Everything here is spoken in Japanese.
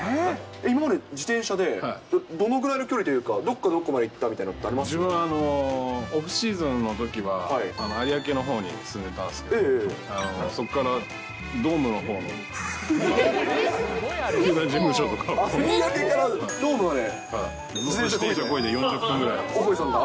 今まで自転車でどのぐらいの距離というか、どこからどこまで行っ自分はオフシーズンのときは、有明のほうに住んでたんですけど、そこからドームのほうの、銀座のドームまで？